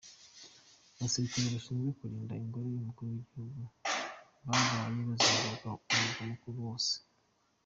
Abasilikale bashinzwe kurinda ingoro y’umukuru w’igihugu, baraye bazenguruka umurwa mukuru wose.